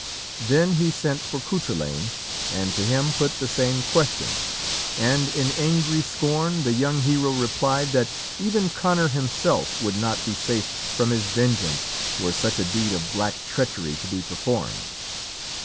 Then he sent for Cuchulainn, and to him put the same question, and, in angry scorn, the young hero replied that even Conor himself would not be safe from his vengeance were such a deed of black treachery to be performed.